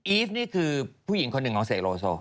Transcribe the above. ีฟนี่คือผู้หญิงคนหนึ่งของเสกโลโซ